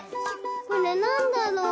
これなんだろう？